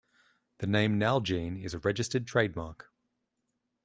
The name "Nalgene" is a registered trademark.